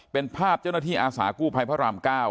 เป็นภาพเจ้าหน้าที่อาสากู้ภัยพระราม๙